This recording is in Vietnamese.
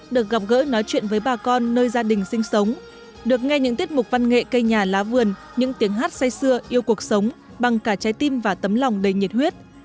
được gặp gỡ nói chuyện với bà con nơi gia đình sinh sống được nghe những tiết mục văn nghệ cây nhà lá vườn những tiếng hát say xưa yêu cuộc sống bằng cả trái tim và tấm lòng đầy nhiệt huyết